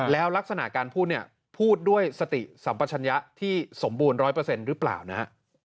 แล้วลักษณะการพูดเนี่ยพูดด้วยสติสัมปัชญะที่สมบูรณ์๑๐๐หรือเปล่านะฮะ